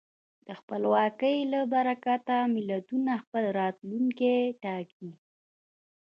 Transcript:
د خپلواکۍ له برکته ملتونه خپل راتلونکی ټاکي.